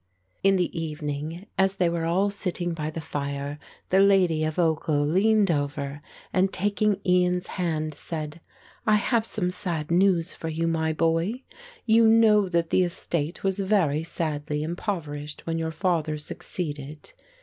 In the evening, as they were all sitting by the fire, the Lady of Ochil leaned over and, taking Ian's hand, said: "I have some sad news for you, my boy. You know that the estate was very sadly impoverished when your father succeeded.